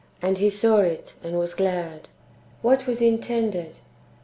and he saw it, and was glad." ^ What is intended